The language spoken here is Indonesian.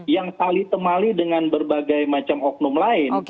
yang tali temali dengan berbagai macam oknum lain